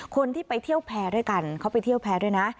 คนที่ไปเที่ยวแพร่ด้วยกันเขาไปเที่ยวแพร่ด้วยนะ